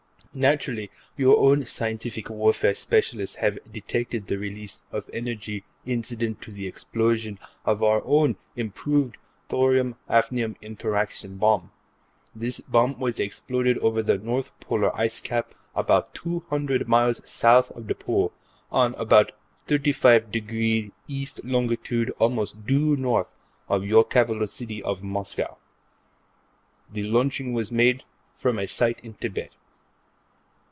Naturally, your own scientific warfare specialists have detected the release of energy incident to the explosion of our own improved thorium hafnium interaction bomb; this bomb was exploded over the North Polar ice cap, about two hundred miles south of the Pole, on about 35 degrees East Longitude, almost due north of your capital city of Moscow. The launching was made from a site in Thibet.